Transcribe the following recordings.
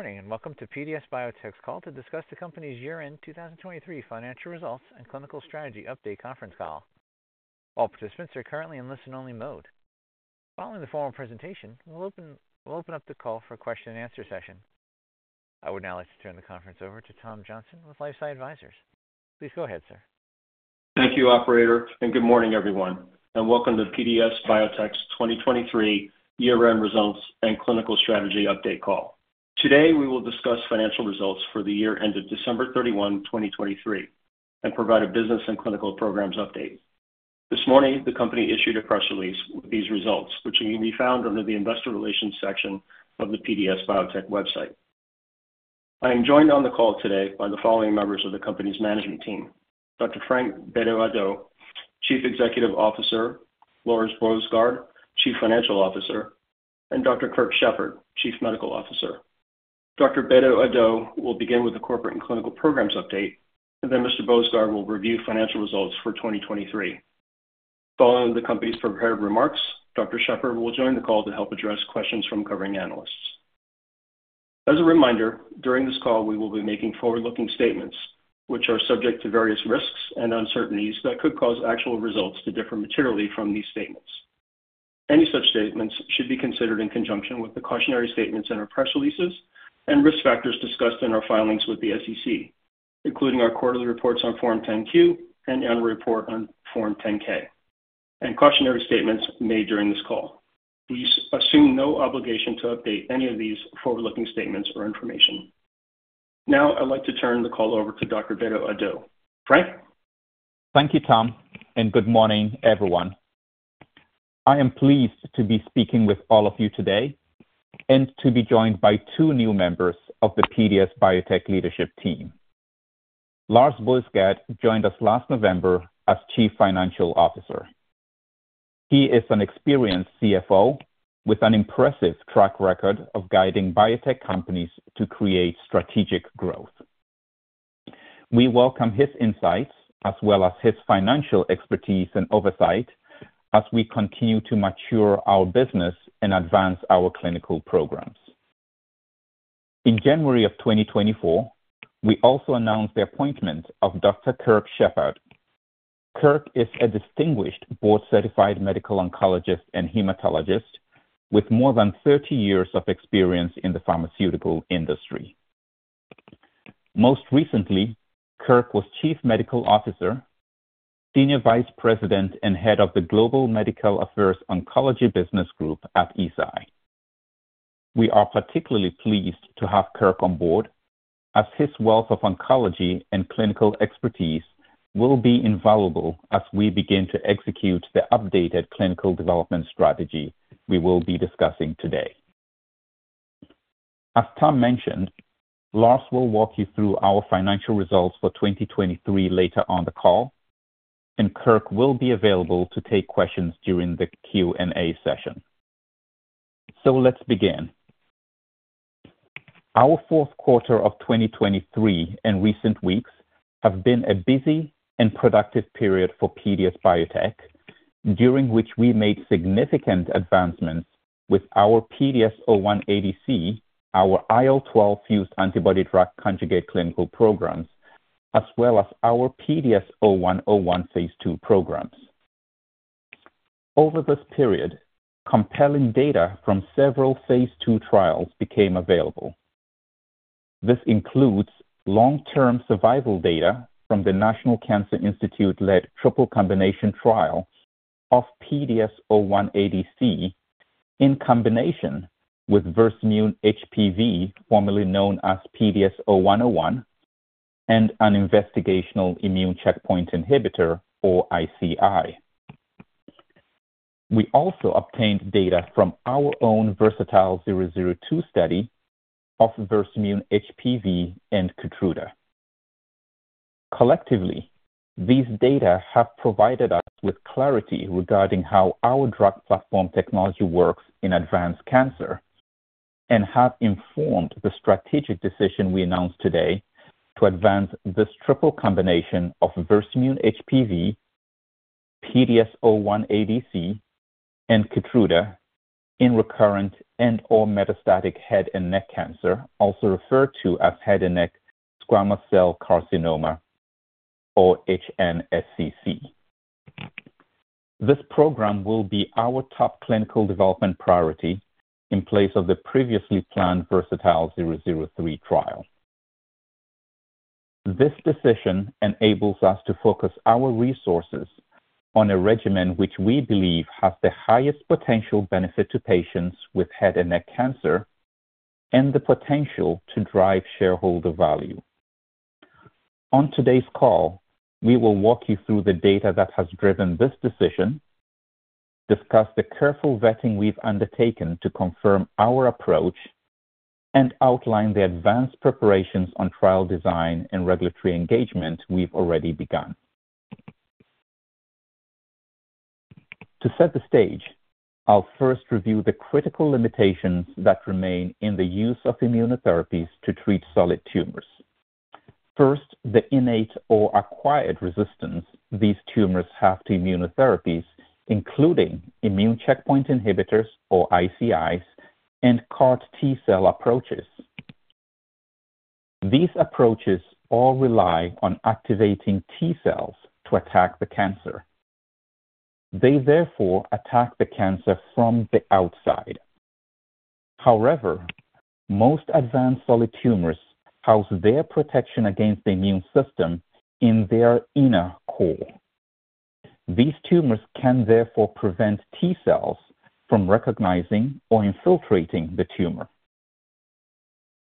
Good morning and welcome to PDS Biotech's call to discuss the company's year-end 2023 financial results and clinical strategy update conference call. All participants are currently in listen-only mode. Following the formal presentation, we'll open up the call for a question-and-answer session. I would now like to turn the conference over to Tom Johnson with LifeSci Advisors. Please go ahead, sir. Thank you, Operator, and good morning, everyone. Welcome to PDS Biotech's 2023 year-end results and clinical strategy update call. Today we will discuss financial results for the year ended December 31, 2023, and provide a business and clinical programs update. This morning the company issued a press release with these results, which can be found under the investor relations section of the PDS Biotech website. I am joined on the call today by the following members of the company's management team: Dr. Frank Bedu-Addo, Chief Executive Officer; Lauren Wood, Chief Financial Officer; and Dr. Kirk Shepard, Chief Medical Officer. Dr. Bedu-Addo will begin with the corporate and clinical programs update, and then Mr. Boesgaard will review financial results for 2023. Following the company's prepared remarks, Dr. Shepard will join the call to help address questions from covering analysts. As a reminder, during this call we will be making forward-looking statements, which are subject to various risks and uncertainties that could cause actual results to differ materially from these statements. Any such statements should be considered in conjunction with the cautionary statements in our press releases and risk factors discussed in our filings with the SEC, including our quarterly reports on Form 10-Q and annual report on Form 10-K, and cautionary statements made during this call. We assume no obligation to update any of these forward-looking statements or information. Now I'd like to turn the call over to Dr. Bedu-Addo. Frank? Thank you, Tom, and good morning, everyone. I am pleased to be speaking with all of you today and to be joined by two new members of the PDS Biotech leadership team. Lars Boesgaard joined us last November as Chief Financial Officer. He is an experienced CFO with an impressive track record of guiding biotech companies to create strategic growth. We welcome his insights as well as his financial expertise and oversight as we continue to mature our business and advance our clinical programs. In January of 2024 we also announced the appointment of Dr. Kirk Shepard. Kirk is a distinguished board-certified medical oncologist and hematologist with more than 30 years of experience in the pharmaceutical industry. Most recently, Kirk was Chief Medical Officer, Senior Vice President, and Head of the Global Medical Affairs Oncology Business Group at Eisai. We are particularly pleased to have Kirk on board as his wealth of oncology and clinical expertise will be invaluable as we begin to execute the updated clinical development strategy we will be discussing today. As Tom mentioned, Lars will walk you through our financial results for 2023 later on the call, and Kirk will be available to take questions during the Q&A session. Let's begin. Our fourth quarter of 2023 and recent weeks have been a busy and productive period for PDS Biotech, during which we made significant advancements with our PDS01ADC, our IL-12 Fused Antibody Drug Conjugate Clinical Programs, as well as our PDS0101 phase II programs. Over this period, compelling data from several phase II trials became available. This includes long-term survival data from the National Cancer Institute-led triple combination trial of PDS01ADC in combination with Versamune HPV, formerly known as PDS0101, and an investigational immune checkpoint inhibitor, or ICI. We also obtained data from our own VERSATILE-002 study of Versamune HPV and KEYTRUDA. Collectively, these data have provided us with clarity regarding how our drug platform technology works in advanced cancer and have informed the strategic decision we announced today to advance this triple combination of Versamune HPV, PDS01ADC, and KEYTRUDA recurrent and or metastatic head and neck cancer, also referred to as head and neck squamous cell carcinoma, or HNSCC. This program will be our top clinical development priority in place of the previously planned VERSATILE-003 trial. This decision enables us to focus our resources on a regimen which we believe has the highest potential benefit to patients with head and neck cancer and the potential to drive shareholder value. On today's call, we will walk you through the data that has driven this decision, discuss the careful vetting we've undertaken to confirm our approach, and outline the advanced preparations on trial design and regulatory engagement we've already begun. To set the stage, I'll first review the critical limitations that remain in the use of immunotherapies to treat solid tumors. First, the innate or acquired resistance these tumors have to immunotherapies, including immune checkpoint inhibitors, or ICIs, and CDA T-cell approaches. These approaches all rely on activating T-cells to attack the cancer. They therefore attack the cancer from the outside. However, most advanced solid tumors house their protection against the immune system in their inner core. These tumors can therefore prevent T-cells from recognizing or infiltrating the tumor.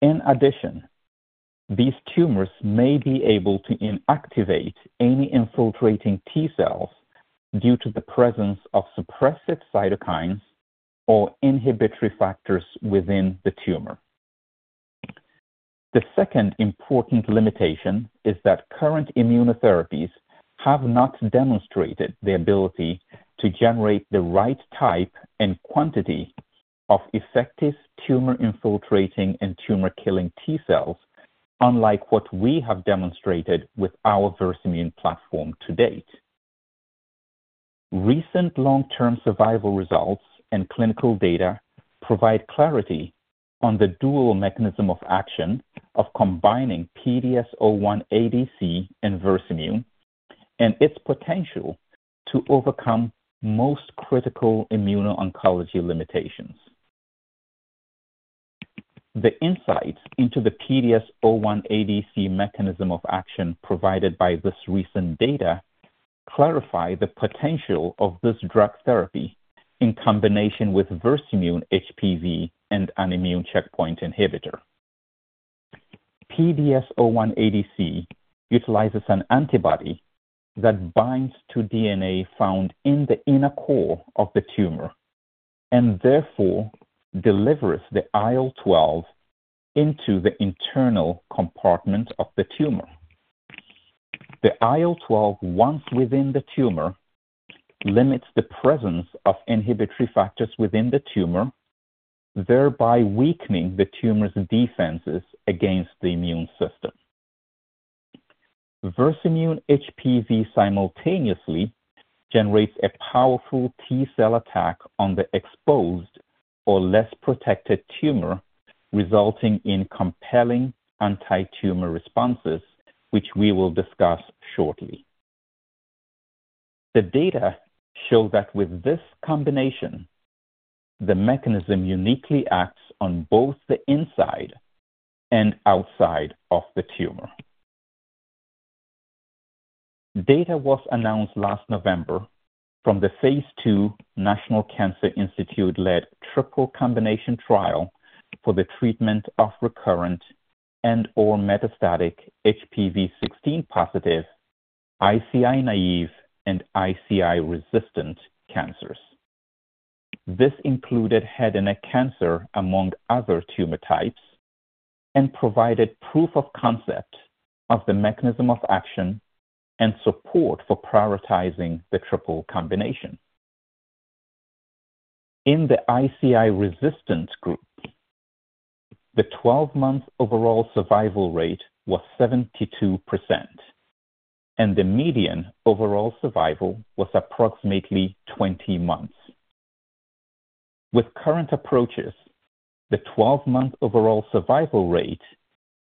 In addition, these tumors may be able to inactivate any infiltrating T-cells due to the presence of suppressive cytokines or inhibitory factors within the tumor. The second important limitation is that current immunotherapies have not demonstrated the ability to generate the right type and quantity of effective tumor-infiltrating and tumor-killing T-cells, unlike what we have demonstrated with our Versamune platform to date. Recent long-term survival results and clinical data provide clarity on the dual mechanism of action of combining PDS01ADC and Versamune and its potential to overcome most critical immuno-oncology limitations. The insights into the PDS01ADC mechanism of action provided by this recent data clarify the potential of this drug therapy in combination with Versamune HPV and an immune checkpoint inhibitor. PDS01ADC utilizes an antibody that binds to DNA found in the inner core of the tumor and therefore delivers the IL-12 into the internal compartment of the tumor. The IL-12, once within the tumor, limits the presence of inhibitory factors within the tumor, thereby weakening the tumor's defenses against the immune system. Versamune HPV simultaneously generates a powerful T-cell attack on the exposed or less protected tumor, resulting in compelling anti-tumor responses, which we will discuss shortly. The data show that with this combination, the mechanism uniquely acts on both the inside and outside of the tumor. Data was announced last November from the phase II National Cancer Institute-led triple combination trial for the treatment of recurrent and/or metastatic HPV16+, ICI naïve, and ICI-resistant cancers. This included head and neck cancer among other tumor types and provided proof of concept of the mechanism of action and support for prioritizing the triple combination. In the ICI-resistant group, the 12-month overall survival rate was 72%, and the median overall survival was approximately 20 months. With current approaches, the 12-month overall survival rate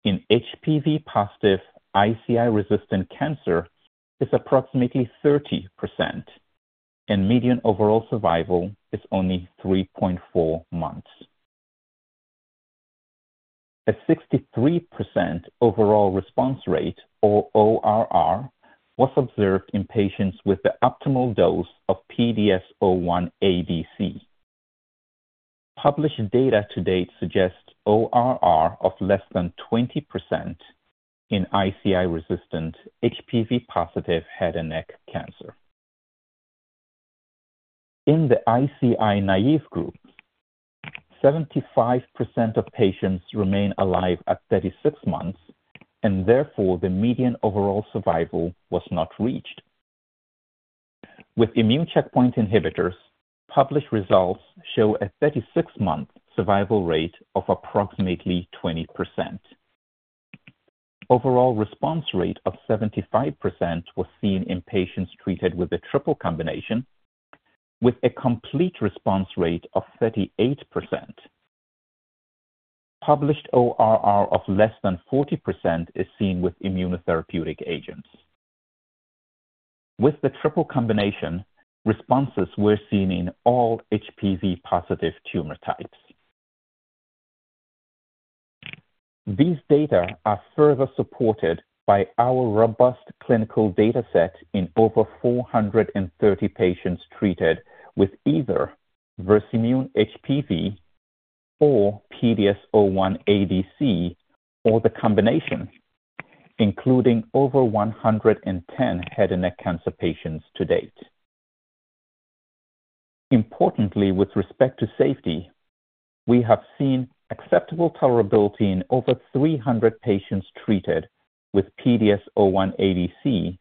in HPV positive ICI resistant cancer is approximately 30%, and median overall survival is only 3.4 months. A 63% overall response rate, or ORR, was observed in patients with the optimal dose of PDS01ADC. Published data to date suggests ORR of less than 20% in ICI resistant HPV-positive head and neck cancer. In the ICI-naive group, 75% of patients remain alive at 36 months, and therefore the median overall survival was not reached. With immune checkpoint inhibitors, published results show a 36-month survival rate of approximately 20%. Overall response rate of 75% was seen in patients treated with the triple combination, with a complete response rate of 38%. Published ORR of less than 40% is seen with immunotherapeutic agents. With the triple combination, responses were seen in all HPV-positive tumor types. These data are further supported by our robust clinical dataset in over 430 patients treated with either Versamune HPV or PDS01ADC or the combination, including over 110 head and neck cancer patients to date. Importantly, with respect to safety, we have seen acceptable tolerability in over 300 patients treated with PDS01ADC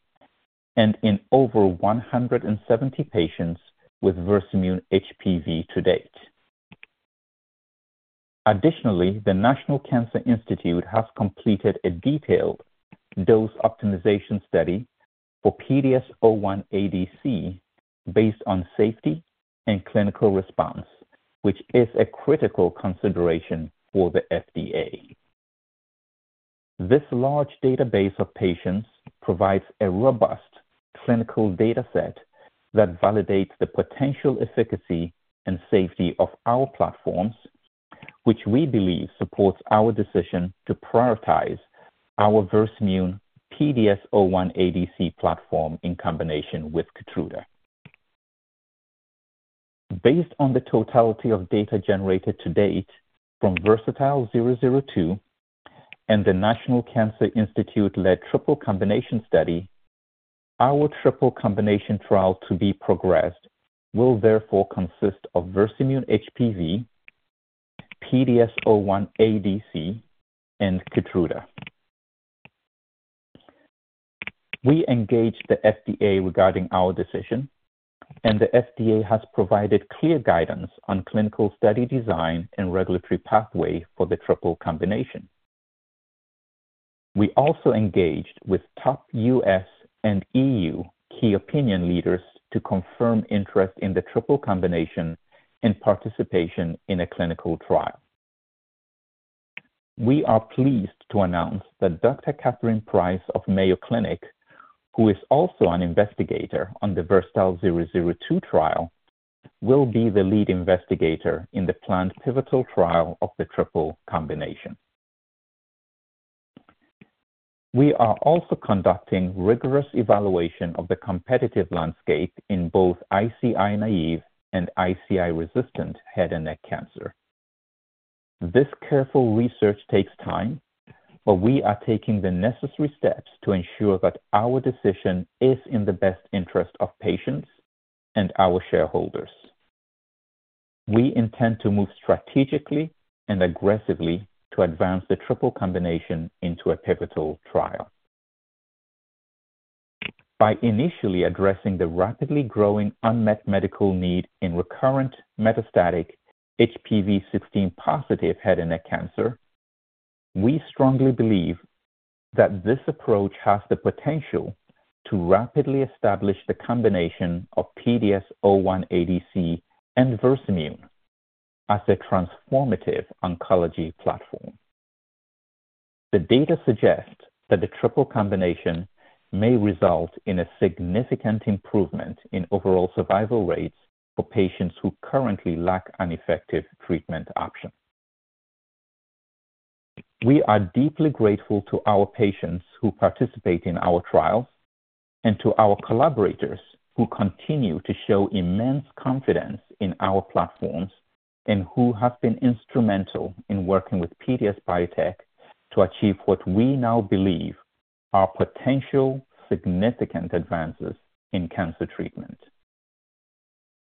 and in over 170 patients with Versamune HPV to date. Additionally, the National Cancer Institute has completed a detailed dose optimization study for PDS01ADC based on safety and clinical response, which is a critical consideration for the FDA. This large database of patients provides a robust clinical dataset that validates the potential efficacy and safety of our platforms, which we believe supports our decision to prioritize our Versamune PDS01ADC platform in combination with KEYTRUDA. Based on the totality of data generated to date from Versatile-002 and the National Cancer Institute-led triple combination study, our triple combination trial to be progressed will therefore consist of Versamune HPV, PDS01ADC, and KEYTRUDA. We engaged the FDA regarding our decision, and the FDA has provided clear guidance on clinical study design and regulatory pathway for the triple combination. We also engaged with top U.S. and E.U. key opinion leaders to confirm interest in the triple combination and participation in a clinical trial. We are pleased to announce that Dr. Katherine Price of Mayo Clinic, who is also an investigator on the VERSATILE-002 trial, will be the lead investigator in the planned pivotal trial of the triple combination. We are also conducting rigorous evaluation of the competitive landscape in both ICI-naive and ICI-resistant head and neck cancer. This careful research takes time, but we are taking the necessary steps to ensure that our decision is in the best interest of patients and our shareholders. We intend to move strategically and aggressively to advance the triple combination into a pivotal trial. By initially addressing the rapidly growing unmet medical need in recurrent metastatic HPV-16 positive head and neck cancer, we strongly believe that this approach has the potential to rapidly establish the combination of PDS01ADC and Versamune as a transformative oncology platform. The data suggest that the triple combination may result in a significant improvement in overall survival rates for patients who currently lack an effective treatment option. We are deeply grateful to our patients who participate in our trials and to our collaborators who continue to show immense confidence in our platforms and who have been instrumental in working with PDS Biotech to achieve what we now believe are potential significant advances in cancer treatment.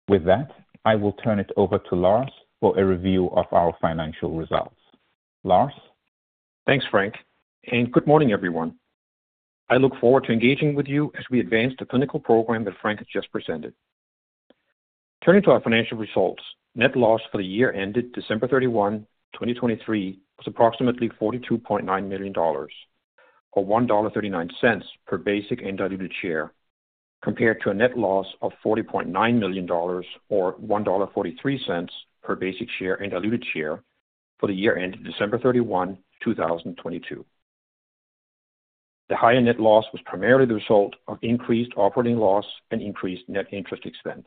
With that, I will turn it over to Lars for a review of our financial results. Lars? Thanks, Frank, and good morning, everyone. I look forward to engaging with you as we advance the clinical program that Frank has just presented. Turning to our financial results, net loss for the year ended December 31, 2023, was approximately $42.9 million, or $1.39 per basic and diluted share, compared to a net loss of $40.9 million, or $1.43 per basic share and diluted share for the year ended December 31, 2022. The higher net loss was primarily the result of increased operating loss and increased net interest expense.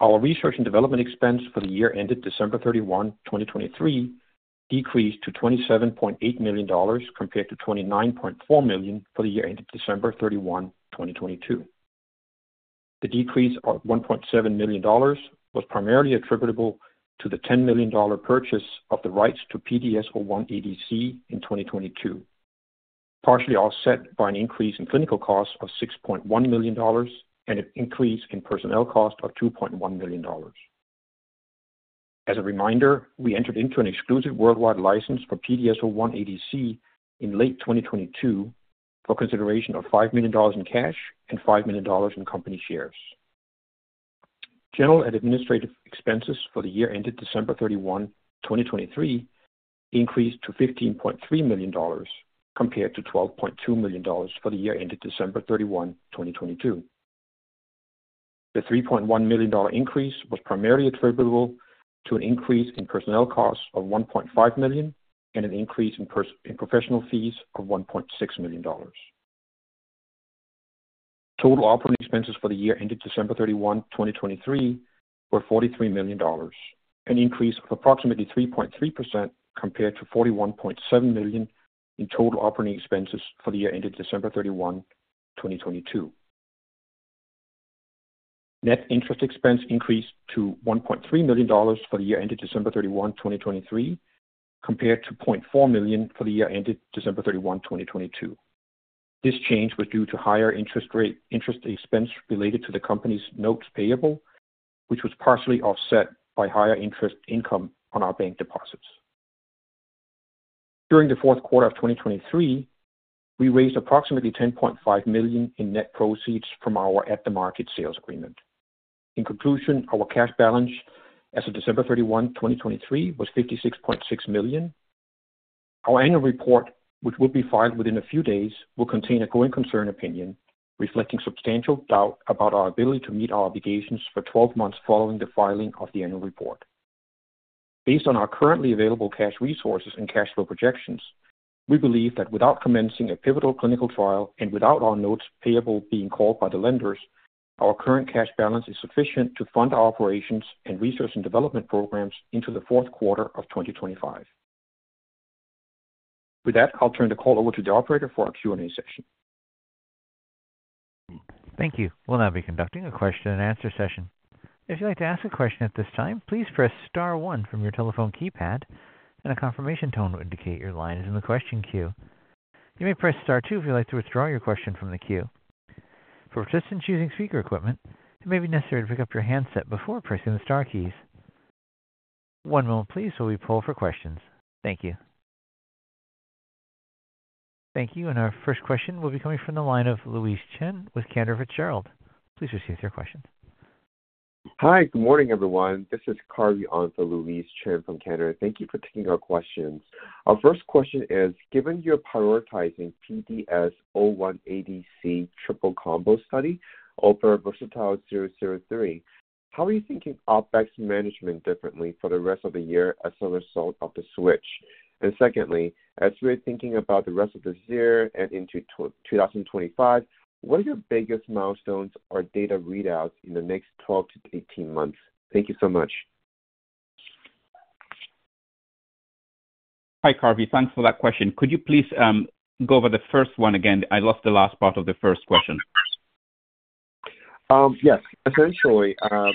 Our research and development expense for the year ended December 31, 2023, decreased to $27.8 million compared to $29.4 million for the year ended December 31, 2022. The decrease of $1.7 million was primarily attributable to the $10 million purchase of the rights to PDS01ADC in 2022, partially offset by an increase in clinical costs of $6.1 million and an increase in personnel costs of $2.1 million. As a reminder, we entered into an exclusive worldwide license for PDS01ADC in late 2022 for consideration of $5 million in cash and $5 million in company shares. General and administrative expenses for the year ended December 31, 2023, increased to $15.3 million compared to $12.2 million for the year ended December 31, 2022. The $3.1 million increase was primarily attributable to an increase in personnel costs of $1.5 million and an increase in professional fees of $1.6 million. Total operating expenses for the year ended December 31, 2023, were $43 million, an increase of approximately 3.3% compared to $41.7 million in total operating expenses for the year ended December 31, 2022. Net interest expense increased to $1.3 million for the year ended December 31, 2023, compared to $0.4 million for the year ended December 31, 2022. This change was due to higher interest expense related to the company's notes payable, which was partially offset by higher interest income on our bank deposits. During the fourth quarter of 2023, we raised approximately $10.5 million in net proceeds from our at-the-market sales agreement. In conclusion, our cash balance as of December 31, 2023, was $56.6 million. Our annual report, which will be filed within a few days, will contain a going concern opinion reflecting substantial doubt about our ability to meet our obligations for 12 months following the filing of the annual report. Based on our currently available cash resources and cash flow projections, we believe that without commencing a pivotal clinical trial and without our notes payable being called by the lenders, our current cash balance is sufficient to fund our operations and research and development programs into the fourth quarter of 2025. With that, I'll turn the call over to the operator for our Q&A session. Thank you. We'll now be conducting a question-and-answer session. If you'd like to ask a question at this time, please press star one from your telephone keypad, and a confirmation tone will indicate your line is in the question queue. You may press star two if you'd like to withdraw your question from the queue. For participants choosing speaker equipment, it may be necessary to pick up your handset before pressing the star keys. One moment, please, while we pull for questions. Thank you. Thank you, and our first question will be coming from the line of Louise Chen with Cantor Fitzgerald. Please receive your question. Hi, good morning, everyone. This is Carvey on for Louise Chen from Cantor. Thank you for taking our questions. Our first question is, given you're prioritizing PDS01ADC triple combo study over VERSATILE-003, how are you thinking OpEx management differently for the rest of the year as a result of the switch? And secondly, as we're thinking about the rest of this year and into 2025, what are your biggest milestones or data readouts in the next 12 to 18 months? Thank you so much. Hi, Carvey. Thanks for that question. Could you please go over the first one again? I lost the last part of the first question. Yes. Essentially, we're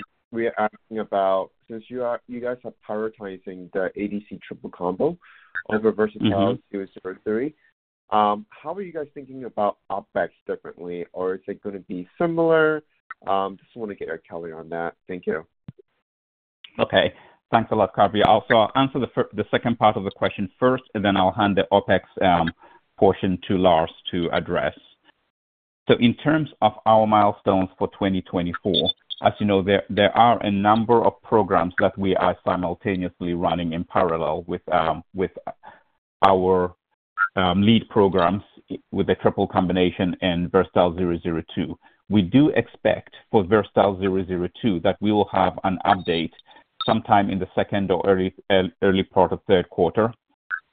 asking about since you guys are prioritizing the ADC triple combo over VERSATILE-003, how are you guys thinking about OpEx differently, or is it going to be similar? Just want to get a clarity on that. Thank you. Okay. Thanks a lot, Carvey. So I'll answer the second part of the question first, and then I'll hand the OpEx portion to Lars to address. So in terms of our milestones for 2024, as you know, there are a number of programs that we are simultaneously running in parallel with our lead programs with the triple combination and VERSATILE-002. We do expect for VERSATILE-002 that we will have an update sometime in the second or early part of third quarter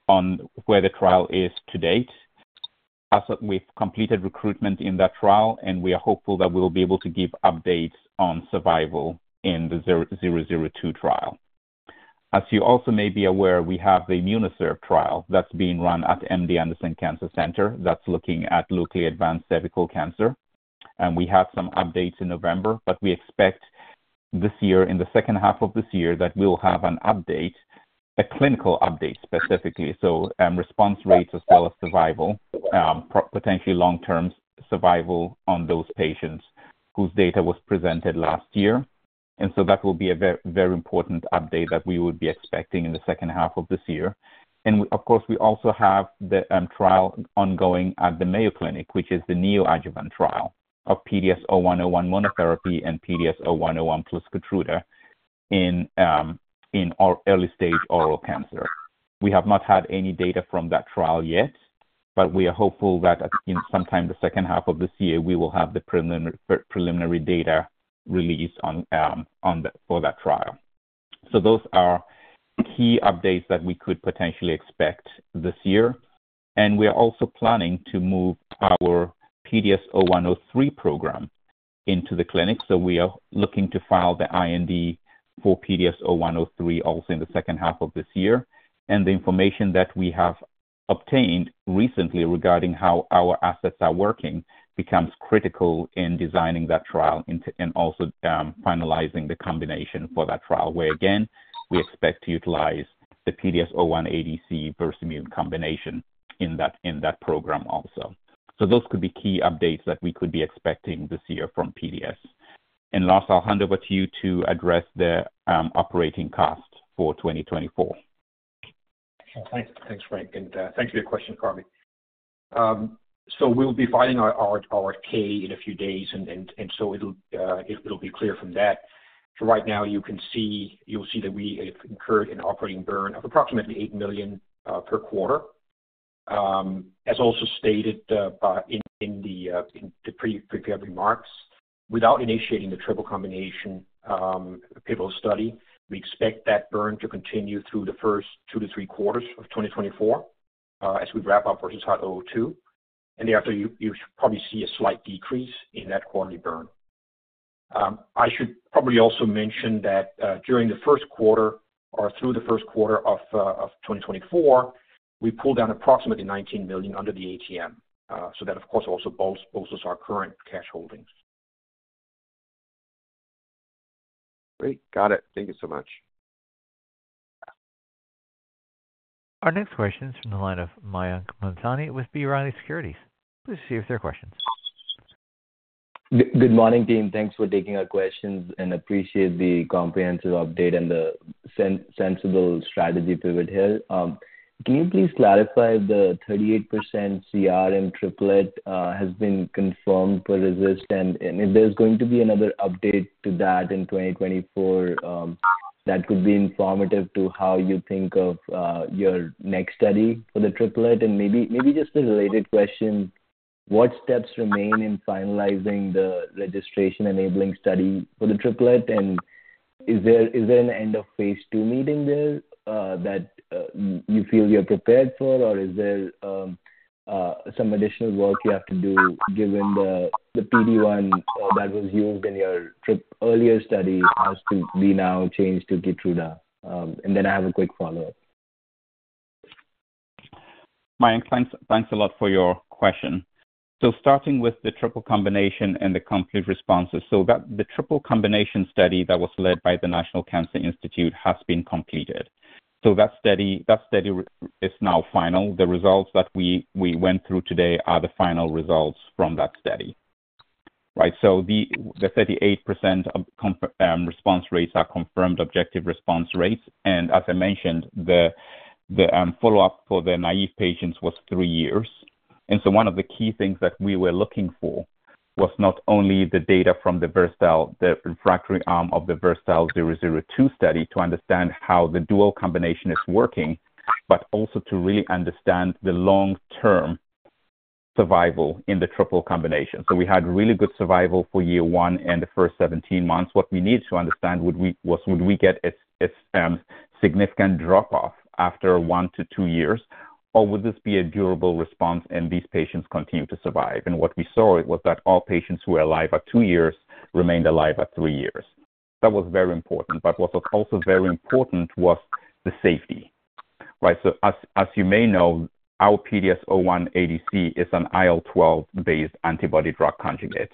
on where the trial is to date. We've completed recruitment in that trial, and we are hopeful that we'll be able to give updates on survival in the 002 trial. As you also may be aware, we have the IMMUNOCERV trial that's being run at MD Anderson Cancer Center that's looking at locally advanced cervical cancer. We had some updates in November, but we expect this year, in the second half of this year, that we'll have an update, a clinical update specifically, so response rates as well as survival, potentially long-term survival on those patients whose data was presented last year. That will be a very important update that we would be expecting in the second half of this year. Of course, we also have the trial ongoing at the Mayo Clinic, which is the neoadjuvant trial of PDS0101 monotherapy and PDS0101 plus KEYTRUDA in early-stage oral cancer. We have not had any data from that trial yet, but we are hopeful that sometime the second half of this year, we will have the preliminary data released for that trial. Those are key updates that we could potentially expect this year. We are also planning to move our PDS0103 program into the clinic. So we are looking to file the IND for PDS0103 also in the second half of this year. And the information that we have obtained recently regarding how our assets are working becomes critical in designing that trial and also finalizing the combination for that trial where, again, we expect to utilize the PDS01ADC Versamune combination in that program also. So those could be key updates that we could be expecting this year from PDS. And Lars, I'll hand over to you to address the operating costs for 2024. Excellent. Thanks. Thanks, Frank. And thanks for your question, Carvey. So we'll be filing our K in a few days, and so it'll be clear from that. So right now, you'll see that we have incurred an operating burn of approximately $8 million per quarter. As also stated in the prepared remarks, without initiating the triple combination pivotal study, we expect that burn to continue through the first two to three quarters of 2024 as we wrap up Versatile-002. And thereafter, you should probably see a slight decrease in that quarterly burn. I should probably also mention that during the first quarter or through the first quarter of 2024, we pulled down approximately $19 million under the ATM. So that, of course, also bolsters our current cash holdings. Great. Got it. Thank you so much. Our next question is from the line of Mayank Mamtani with B. Riley Securities. Please see if there are questions. Good morning, Dean. Thanks for taking our questions, and appreciate the comprehensive update and the sensible strategy pivot here. Can you please clarify the 38% ORR triplet has been confirmed for resist, and if there's going to be another update to that in 2024, that could be informative to how you think of your next study for the triplet? And maybe just a related question, what steps remain in finalizing the registration-enabling study for the triplet? And is there an end-of-phase 2 meeting there that you feel you're prepared for, or is there some additional work you have to do given the PD-1 that was used in your earlier study has to be now changed to KEYTRUDA? And then I have a quick follow-up. Mayank, thanks a lot for your question. So starting with the triple combination and the complete responses, so the triple combination study that was led by the National Cancer Institute has been completed. So that study is now final. The results that we went through today are the final results from that study, right? So the 38% response rates are confirmed objective response rates. And as I mentioned, the follow-up for the naive patients was three years. And so one of the key things that we were looking for was not only the data from the VERSATILE, the refractory arm of the VERSATILE-002 study to understand how the dual combination is working, but also to really understand the long-term survival in the triple combination. So we had really good survival for year one and the first 17 months. What we needed to understand was, would we get a significant drop-off after one to two years, or would this be a durable response, and these patients continue to survive? What we saw was that all patients who were alive at two years remained alive at three years. That was very important. What was also very important was the safety, right? As you may know, our PDS01ADC is an IL-12 based antibody drug conjugate.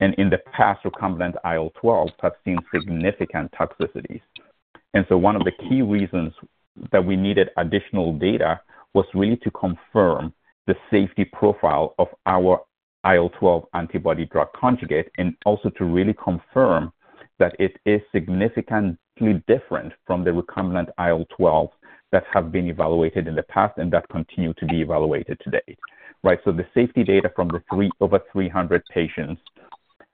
In the past, recombinant IL-12s have seen significant toxicities. So one of the key reasons that we needed additional data was really to confirm the safety profile of our IL-12 antibody drug conjugate and also to really confirm that it is significantly different from the recombinant IL-12 that have been evaluated in the past and that continue to be evaluated to date, right? So the safety data from the over 300 patients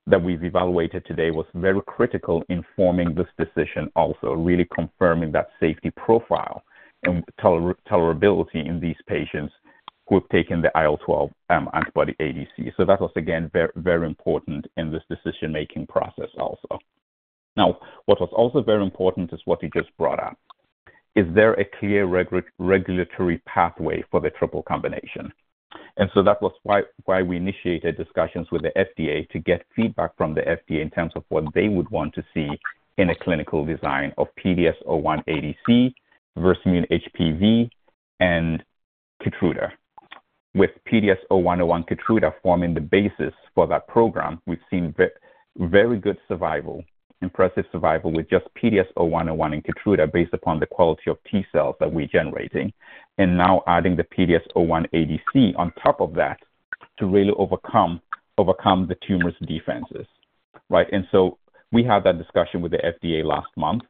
that we've evaluated today was very critical in forming this decision also, really confirming that safety profile and tolerability in these patients who have taken the IL-12 antibody ADC. So that was, again, very important in this decision-making process also. Now, what was also very important is what you just brought up. Is there a clear regulatory pathway for the triple combination? And so that was why we initiated discussions with the FDA to get feedback from the FDA in terms of what they would want to see in a clinical design of PDS01ADC versus HPV and KEYTRUDA. With PDS0101, KEYTRUDA forming the basis for that program, we've seen very good survival, impressive survival with just PDS0101 and KEYTRUDA based upon the quality of T-cells that we're generating, and now adding the PDS01ADC on top of that to really overcome the tumor's defenses, right? And so we had that discussion with the FDA last month,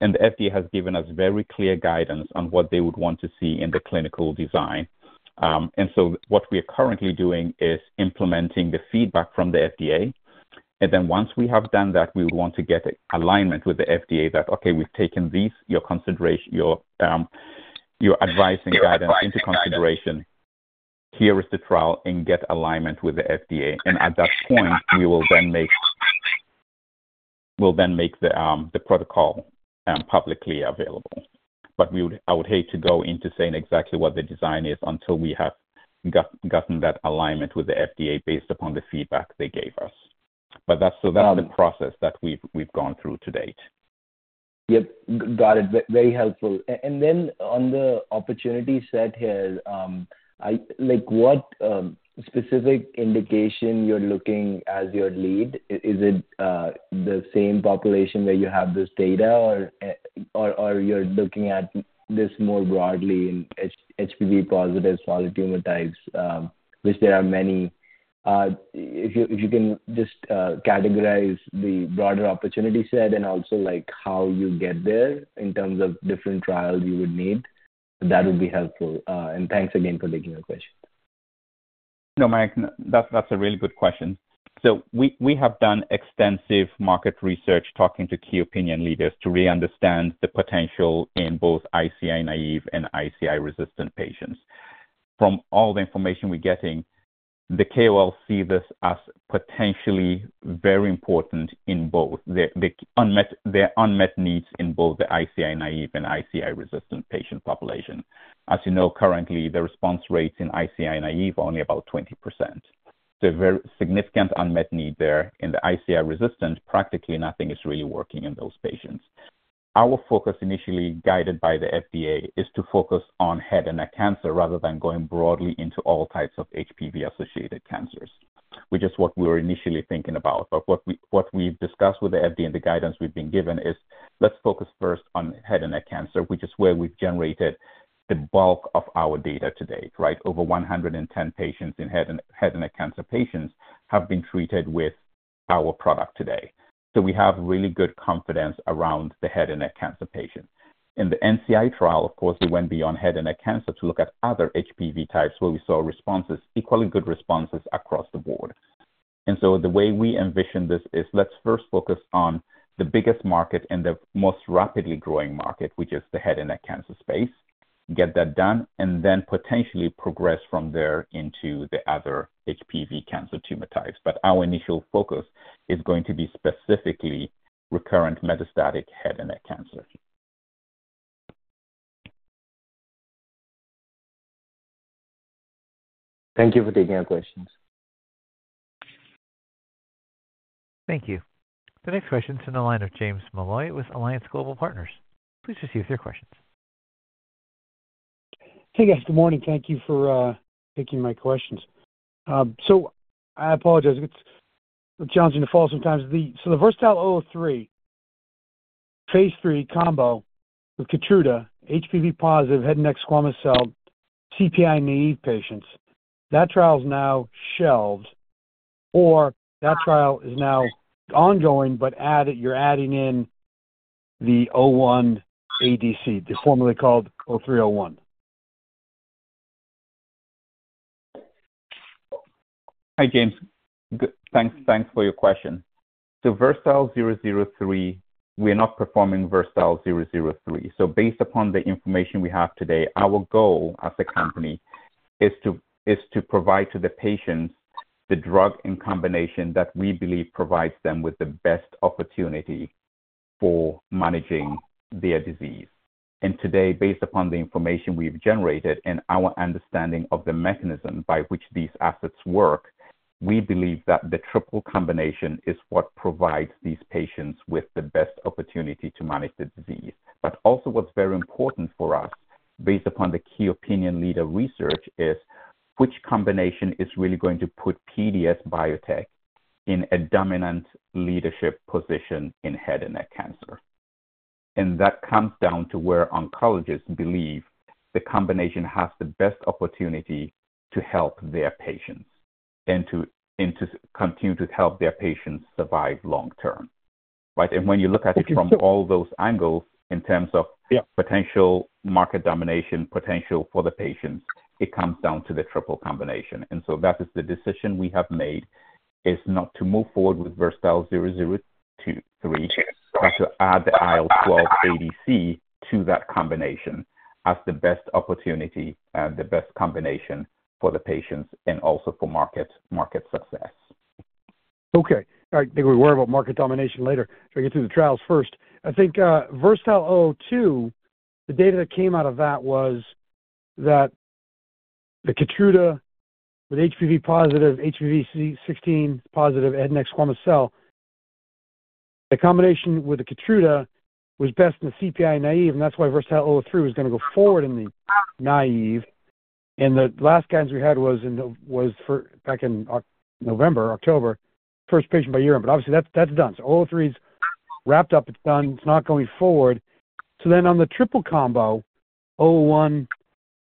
and the FDA has given us very clear guidance on what they would want to see in the clinical design. And so what we are currently doing is implementing the feedback from the FDA. And then once we have done that, we would want to get alignment with the FDA that, Okay, we've taken your advice and guidance into consideration. Here is the trial, and get alignment with the FDA. And at that point, we will then make the protocol publicly available. But I would hate to go into saying exactly what the design is until we have gotten that alignment with the FDA based upon the feedback they gave us. But that's the process that we've gone through to date. Yep. Got it. Very helpful. And then on the opportunity set here, what specific indication you're looking at as your lead? Is it the same population where you have this data, or you're looking at this more broadly in HPV+ solid tumor types, which there are many? If you can just categorize the broader opportunity set and also how you get there in terms of different trials you would need, that would be helpful. And thanks again for taking your question. No, Mayank, that's a really good question. So we have done extensive market research talking to key opinion leaders to really understand the potential in both ICI naive and ICI resistant patients. From all the information we're getting, the KOL see this as potentially very important in both, their unmet needs in both the ICI naive and ICI resistant patient population. As you know, currently, the response rates in ICI naive are only about 20%. So a very significant unmet need there. In the ICI resistant, practically nothing is really working in those patients. Our focus, initially guided by the FDA, is to focus on head and neck cancer rather than going broadly into all types of HPV-associated cancers, which is what we were initially thinking about. But what we've discussed with the FDA and the guidance we've been given is let's focus first on head and neck cancer, which is where we've generated the bulk of our data to date, right? Over 110 patients in head and neck cancer patients have been treated with our product today. So we have really good confidence around the head and neck cancer patient. In the NCI trial, of course, we went beyond head and neck cancer to look at other HPV types where we saw equally good responses across the board. And so the way we envision this is let's first focus on the biggest market and the most rapidly growing market, which is the head and neck cancer space, get that done, and then potentially progress from there into the other HPV cancer tumor types. But our initial focus is going to be specifically recurrent metastatic head and neck cancer. Thank you for taking our questions. Thank you. The next question is from the line of James Molloy with Alliance Global Partners. Please proceed with your questions. Hey, guys. Good morning. Thank you for taking my questions. So I apologize. It's challenging to follow sometimes. So the VERSATILE-003, phase 3 combo with KEYTRUDA, HPV+ head and neck squamous cell, CPI-naïve patients, that trial's now shelved, or that trial is now ongoing, but you're adding in the 01ADC, the formerly called 0301? Hi, James. Thanks for your question. So VERSATILE-003, we are not performing VERSATILE-003. So based upon the information we have today, our goal as a company is to provide to the patients the drug in combination that we believe provides them with the best opportunity for managing their disease. And today, based upon the information we've generated and our understanding of the mechanism by which these assets work, we believe that the triple combination is what provides these patients with the best opportunity to manage the disease. But also what's very important for us, based upon the key opinion leader research, is which combination is really going to put PDS Biotech in a dominant leadership position in head and neck cancer. That comes down to where oncologists believe the combination has the best opportunity to help their patients and to continue to help their patients survive long-term, right? When you look at it from all those angles in terms of potential market domination, potential for the patients, it comes down to the triple combination. So that is the decision we have made, is not to move forward with VERSATILE-003, but to add the IL-12 ADC to that combination as the best opportunity and the best combination for the patients and also for market success. Okay. All right. I think we'll worry about market domination later. So I get through the trials first. I think VERSATILE-002, the data that came out of that was that the KEYTRUDA, HPV+, HPV16+ head and neck squamous cell, the combination with the Keytruda was best in the CPI-naive, and that's why VERSATILE-003 was going to go forward in the naive. And the last guidance we had was back in November, October, first patient by year end. But obviously, that's done. So 003's wrapped up. It's done. It's not going forward. So then on the triple combo, 001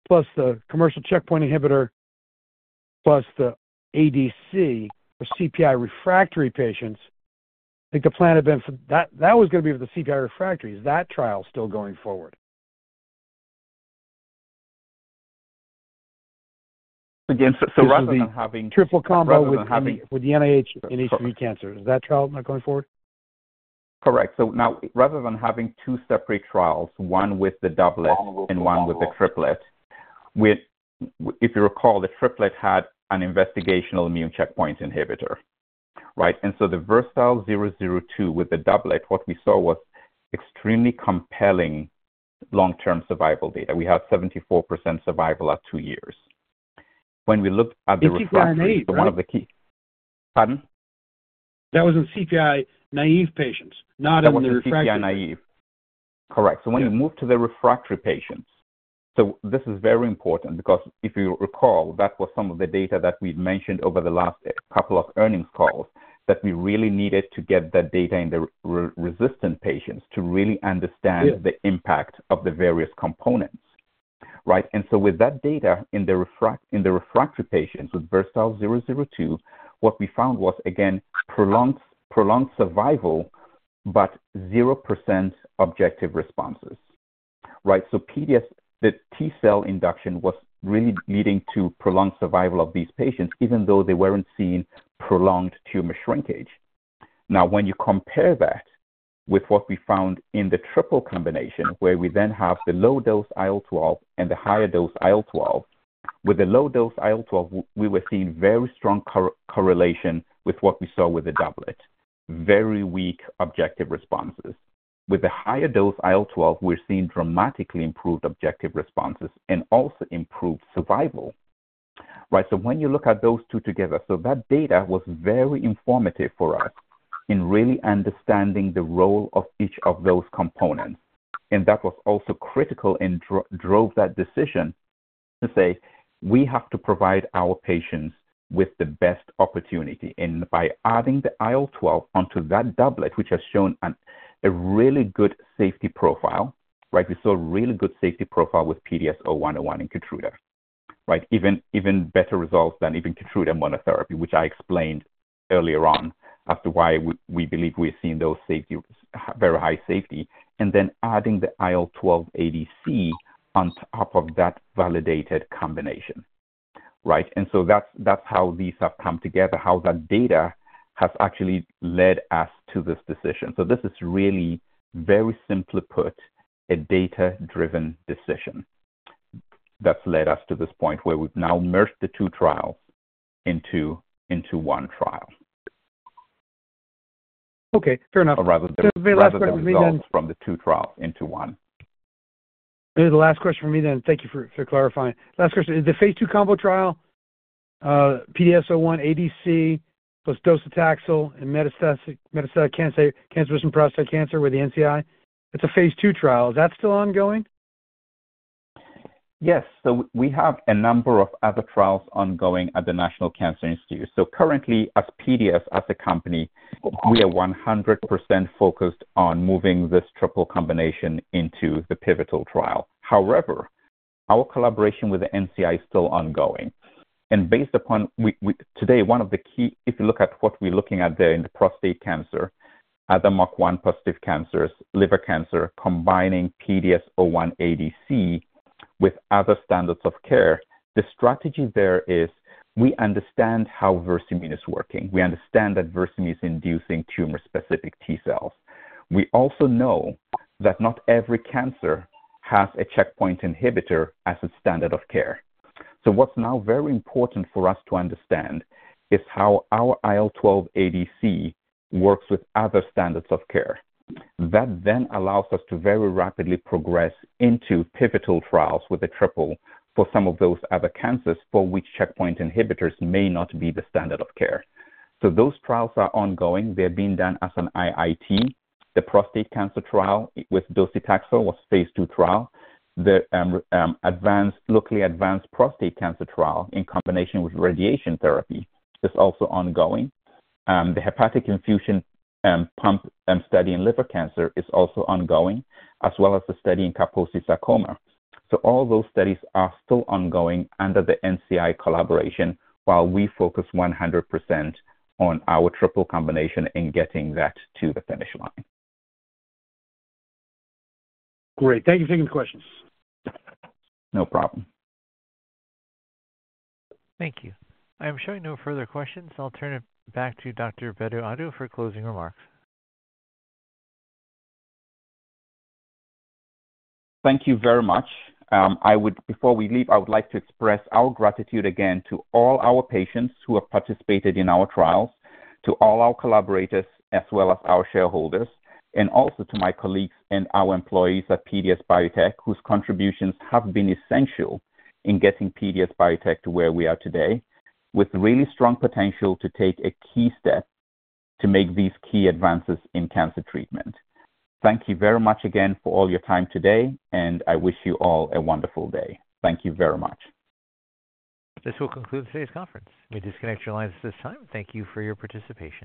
plus the commercial checkpoint inhibitor plus the ADC for CPI refractory patients, I think the plan had been for that was going to be for the CPI refractory. Is that trial still going forward? Again, so rather than having. Triple combo with the NIH, head and neck cancer. Is that trial not going forward? Correct. So now, rather than having two separate trials, one with the doublet and one with the triplet, if you recall, the triplet had an investigational immune checkpoint inhibitor, right? So the VERSATILE-002 with the doublet, what we saw was extremely compelling long-term survival data. We had 74% survival at two years. When we looked at the refractory. CPI-naive, right? Pardon? That was in CPI-naive patients, not in the refractory patients. Oh, CPI-naïve. Correct. So when you move to the refractory patients so this is very important because if you recall, that was some of the data that we'd mentioned over the last couple of earnings calls, that we really needed to get that data in the resistant patients to really understand the impact of the various components, right? And so with that data in the refractory patients with VERSATILE-002, what we found was, again, prolonged survival but 0% objective responses, right? So the T-cell induction was really leading to prolonged survival of these patients even though they weren't seeing prolonged tumor shrinkage. Now, when you compare that with what we found in the triple combination where we then have the low-dose IL-12 and the higher-dose IL-12, with the low-dose IL-12, we were seeing very strong correlation with what we saw with the doublet, very weak objective responses. With the higher-dose IL-12, we're seeing dramatically improved objective responses and also improved survival, right? So when you look at those two together, so that data was very informative for us in really understanding the role of each of those components. And that was also critical and drove that decision to say, we have to provide our patients with the best opportunity. And by adding the IL-12 onto that doublet, which has shown a really good safety profile, right, we saw a really good safety profile with PDS0101 and KEYTRUDA, even better results than even KEYTRUDA monotherapy, which I explained earlier on as to why we believe we're seeing very high safety, and then adding the IL-12 ADC on top of that validated combination, right? And so that's how these have come together, how that data has actually led us to this decision. This is really, very simply put, a data-driven decision that's led us to this point where we've now merged the two trials into one trial. Okay. Fair enough. The last question for me then. From the two trials into one. It was the last question for me then. Thank you for clarifying. Last question. Is the phase II combo trial, PDS01ADC plus docetaxel and metastatic cancer - castration-resistant prostate cancer with the NCI, it's a phase II trial. Is that still ongoing? Yes. So we have a number of other trials ongoing at the National Cancer Institute. So currently, as PDS, as a company, we are 100% focused on moving this triple combination into the pivotal trial. However, our collaboration with the NCI is still ongoing. And based upon today, one of the key if you look at what we're looking at there in the prostate cancer, other MOC1-positive cancers, liver cancer, combining PDS01ADC with other standards of care, the strategy there is, We understand how Versamune is working. We understand that Versamune is inducing tumor-specific T-cells. We also know that not every cancer has a checkpoint inhibitor as a standard of care. So what's now very important for us to understand is how our PDS01ADC works with other standards of care. That then allows us to very rapidly progress into pivotal trials with a triple for some of those other cancers for which checkpoint inhibitors may not be the standard of care. So those trials are ongoing. They're being done as an IIT. The prostate cancer trial with Docetaxel was a phase II trial. The locally advanced prostate cancer trial in combination with radiation therapy is also ongoing. The hepatic infusion pump study in liver cancer is also ongoing, as well as the study in Kaposi Sarcoma. So all those studies are still ongoing under the NCI collaboration while we focus 100% on our triple combination and getting that to the finish line. Great. Thank you for taking the questions. No problem. Thank you. I am showing no further questions. I'll turn it back to Dr. Bedu-Addo for closing remarks. Thank you very much. Before we leave, I would like to express our gratitude again to all our patients who have participated in our trials, to all our collaborators as well as our shareholders, and also to my colleagues and our employees at PDS Biotech whose contributions have been essential in getting PDS Biotech to where we are today with really strong potential to take a key step to make these key advances in cancer treatment. Thank you very much again for all your time today, and I wish you all a wonderful day. Thank you very much. This will conclude today's conference. Let me disconnect your lines at this time. Thank you for your participation.